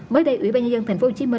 mới đây ủy ban nhân dân tp hcm